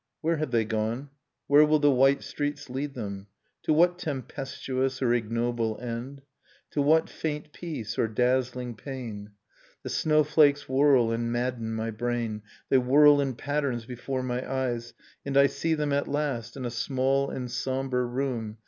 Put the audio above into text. Where have they gone? Where will the white streets lead them? To what tempestuous or ignoble end? To what faint peace, or dazzling pain? The snowflakes whirl and madden my brain, They whirl in patterns before my eyes ... And I see them at last in a small and sombre room.